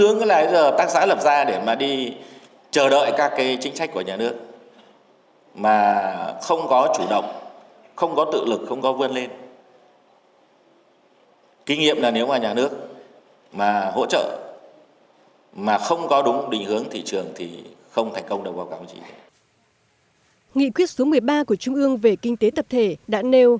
nghị quyết số một mươi ba của trung ương về kinh tế tập thể đã nêu